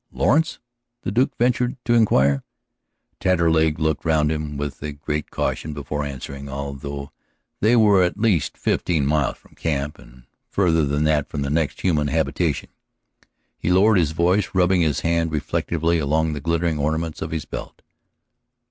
"Lawrence?" the Duke ventured to inquire. Taterleg looked round him with great caution before answering, although they were at least fifteen miles from camp, and farther than that from the next human habitation. He lowered his voice, rubbing his hand reflectively along the glittering ornaments of his belt.